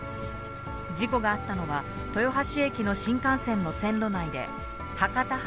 事故があったのは、豊橋駅の新幹線の線路内で、博多発